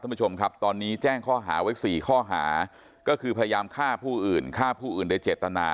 ผู้ชมครับตอนนี้แจ้งข้อหาไว้สี่ข้อหาก็คือพยายามฆ่าผู้อื่นฆ่าผู้อื่นโดยเจตนา